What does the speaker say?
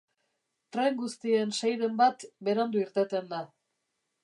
Tren guztien seiren bat berandu irteten da.